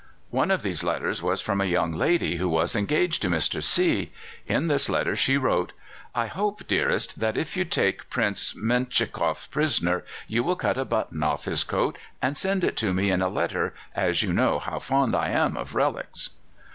One of these letters was from a young lady who was engaged to Mr. C . In this letter she wrote: "I hope, dearest, that if you take Prince Menchikoff prisoner, you will cut a button off his coat and send it to me in a letter, as you know how fond I am of relics."